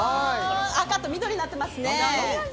赤と緑になってますね。